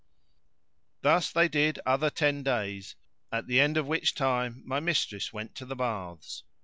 Thus they did other ten days, at the end of which time my mistress went to the baths.